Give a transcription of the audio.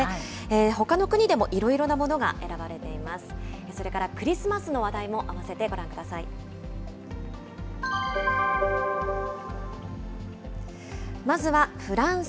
ほかの国でもいろいろなものが選ばれています。